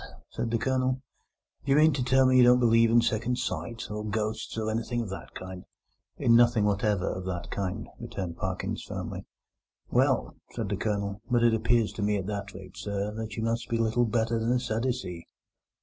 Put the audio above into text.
said the Colonel, "do you mean to tell me you don't believe in second sight, or ghosts, or anything of that kind?" "In nothing whatever of that kind," returned Parkins firmly. "Well," said the Colonel, "but it appears to me at that rate, sir, that you must be little better than a Sadducee."